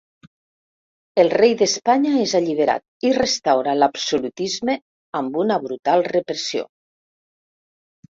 El rei d'Espanya és alliberat i restaura l'absolutisme amb una brutal repressió.